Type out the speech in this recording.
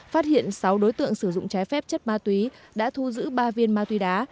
phát hiện sáu đối tượng sử dụng trái phép chất ma túy đã thu giữ ba viên ma túy đá